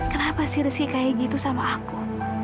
kenapa sih rizky kayak gitu sama aku